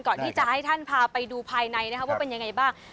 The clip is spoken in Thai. ก่อนที่จะให้ท่านพาไปดูภายในนะครับว่าเป็นยังไงบ้าง